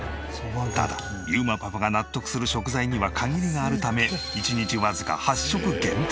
ただ裕磨パパが納得する食材には限りがあるため１日わずか８食限定。